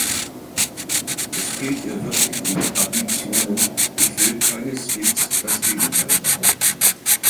Es fehlt ihr wirklich an Ambitionen, ich will keineswegs das Gegenteil behaupten.